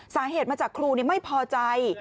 สาเหตุมาจากครูไม่พอใจ